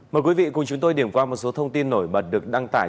mời quý vị cùng chúng tôi điểm qua một số thông tin nổi bật được đăng tải